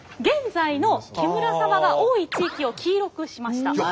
現在の木村サマが多い地域を黄色くしました。